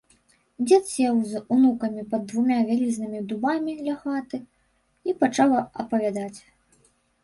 Дзед сеў з унукамі пад двума вялізнымі дубамі ля хаты і пачаў апавядаць.